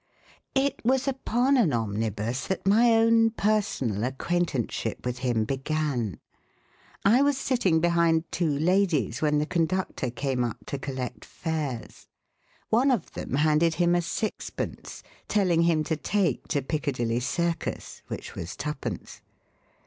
It was upon an omnibus that my own personal acquaintanceship with him began. I was sitting behind two ladies when the conductor came up to collect fares. One of them handed him a sixpence telling him to take to Piccadilly Circus, which was twopence.